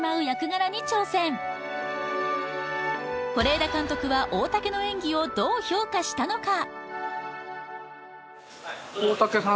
是枝監督は大嵩の演技をどう評価したのか？